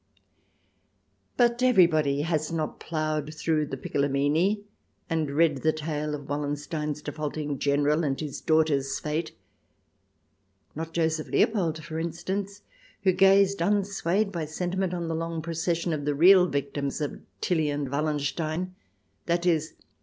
" But everybody has not ploughed through " The Piccolomini" and read the tale of Wallenstein's defaulting General and his daughter's fate — not Joseph Leopold, for instance, who gazed unswayed by sentiment on the long procession of the real victims of Tilly and Wallenstein — i.e.